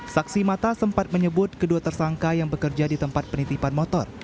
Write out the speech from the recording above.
saksi mata sempat menyebut kedua tersangka yang bekerja di tempat penitipan motor